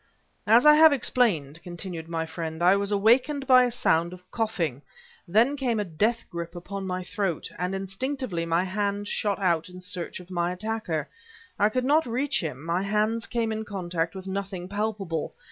"As I have explained," continued my friend, "I was awakened by a sound of coughing; then came a death grip on my throat, and instinctively my hands shot out in search of my attacker. I could not reach him; my hands came in contact with nothing palpable.